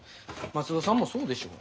松戸さんもそうでしょ？